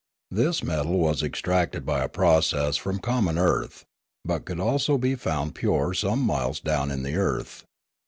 This metal was extracted by a process from common earth, but could also be found pure some miles down in the earth.